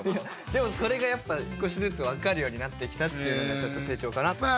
でもそれがやっぱ少しずつ分かるようになってきたっていうのがちょっと成長かなと。